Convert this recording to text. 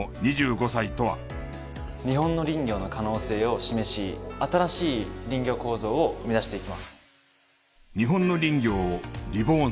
日本の林業の可能性を示し新しい林業構造を生み出していきます。